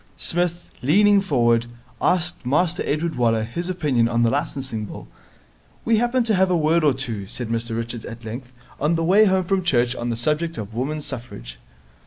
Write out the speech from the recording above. Psmith, leaning forward, asked Master Edward Waller his opinion on the Licensing Bill. 'We happened to have a word or two,' said Mr Richards at length, 'on the way home from church on the subject of Women's Suffrage.'